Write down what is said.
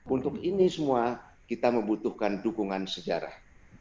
untuk ini semua kita membutuhkan dukungan sejarah